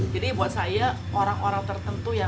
jadi buat saya orang orang tertentu yang